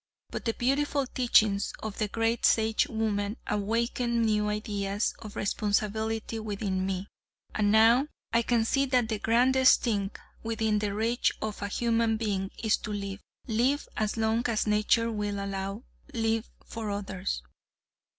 But the beautiful teachings of the great Sagewoman awakened new ideas of responsibility within me, and now I can see that the grandest thing within the reach of a human being is to live; live as long as nature will allow; live for others.